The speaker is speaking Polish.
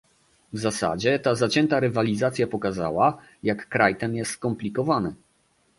W zasadzie ta zacięta rywalizacja pokazała, jak kraj ten jest skomplikowany